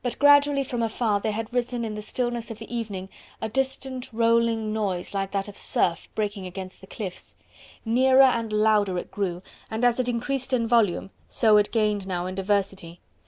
But gradually from afar there had arisen in the stillness of evening a distant, rolling noise like that of surf breaking against the cliffs. Nearer and louder it grew, and as it increased in volume, so it gained now in diversity.